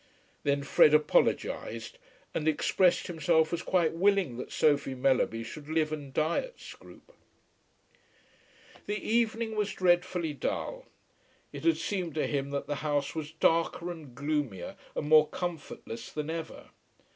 Then Fred apologized, and expressed himself as quite willing that Sophie Mellerby should live and die at Scroope. The evening was dreadfully dull. It had seemed to him that the house was darker, and gloomier, and more comfortless than ever.